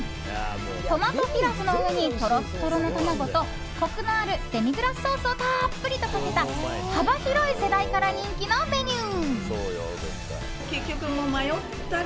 トマトピラフの上にとろっとろの卵とコクのあるデミグラスソースをたっぷりとかけた幅広い世代から人気のメニュー。